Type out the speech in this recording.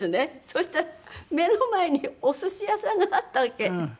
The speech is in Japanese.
そしたら目の前におすし屋さんがあったわけ。